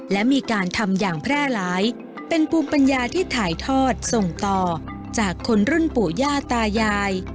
และมีการทำอย่างแพร่หลายเป็นภูมิปัญญาที่ถ่ายทอดส่งต่อจากคนรุ่นปู่ย่าตายาย